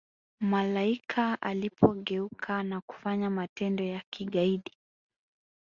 malaika alipogeuka na kufanya matendo ya kigaidi